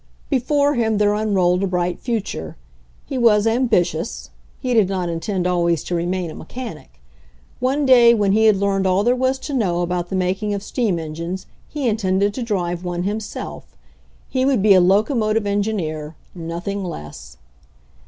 Before him there unrolled a bright future. He was ambitious; he did not intend always to re main a mechanic One day when he had learned all there was to know about the making of steam engines, he intended to drive one himself. He would be a locomotive engineer, nothing less.